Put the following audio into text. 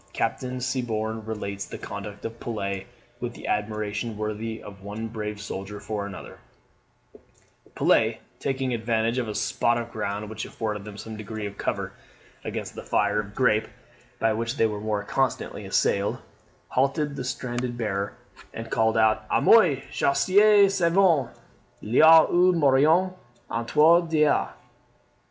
Captain Siborne relates the conduct of Pelet with the admiration worthy of one brave soldier for another: "Pelet, taking advantage of a spot of ground which afforded them some degree of cover against the fire of grape by which they were constantly assailed, halted the standard bearer, and called out, "A moi chasseurs! sauvons l'aigle ou mourons autour d'elle!"